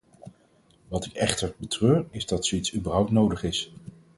Wat ik echter erg betreur is dat zoiets überhaupt nodig is.